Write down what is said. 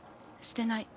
してない。